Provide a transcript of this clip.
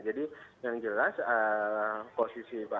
jadi yang jelas posisi pak prabowo